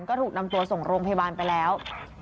ก็ถูกนำตัวส่งโรงพยาบาลไปแล้ว